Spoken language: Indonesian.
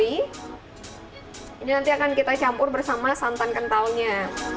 ini nanti akan kita campur bersama santan kentalnya